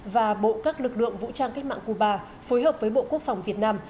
và bộ các lực lượng vũ trang cách mạng cuba phối hợp với bộ quốc phòng việt nam